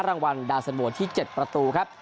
รางวัลดาวสันโวที่๗ประตูครับ